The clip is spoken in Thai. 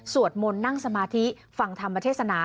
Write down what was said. มนต์นั่งสมาธิฟังธรรมเทศนา